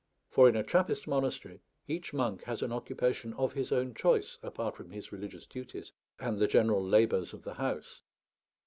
For in a Trappist monastery each monk has an occupation of his own choice, apart from his religious duties and the general labours of the house.